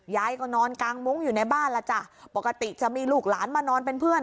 ยายก็นอนกางมุ้งอยู่ในบ้านล่ะจ้ะปกติจะมีลูกหลานมานอนเป็นเพื่อน